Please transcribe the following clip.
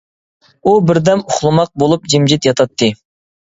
ئۇ بىردەم ئۇخلىماق بولۇپ جىمجىت ياتاتتى.